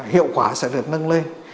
hiệu quả sẽ được nâng lên